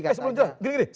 eh sebelum itu gini gini